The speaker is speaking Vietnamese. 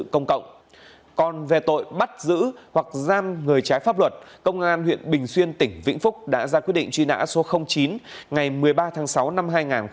còn về tội bắt giữ hoặc giam người trái pháp luật công an huyện bình xuyên tỉnh vĩnh phúc đã ra quyết định truy nã số chín ngày một mươi ba tháng sáu năm hai nghìn hai mươi ba